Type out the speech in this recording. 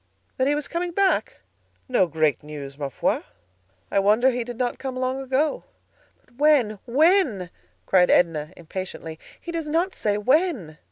"That he was coming back? No great news, ma foi. I wonder he did not come long ago." "But when, when?" cried Edna, impatiently. "He does not say when."